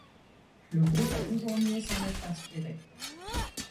Le groupe a toujours nié s'en être inspiré.